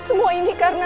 semua ini karena